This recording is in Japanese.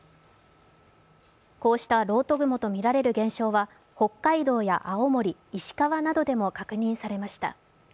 こうした漏斗雲とみられる現象は北海道や青森、石川などでも確認されました。